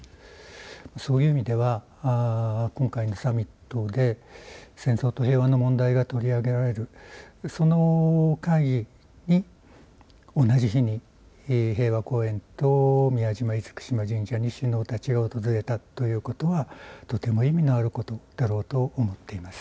そういう意味では今回のサミットで戦争と平和の問題が取り上げられるその会議に同じ日に平和公園と宮島、厳島神社に首脳たちが訪れたということはとても意味のあることだろうと思っています。